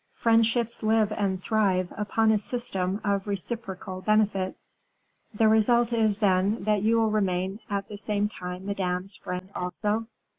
Friendships live and thrive upon a system of reciprocal benefits." "The result is, then, that you will remain at the same time Madame's friend also?"